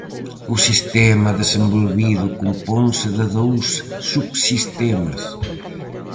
O sistema desenvolvido componse de dous subsistemas: